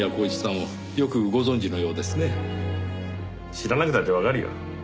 知らなくたってわかるよ。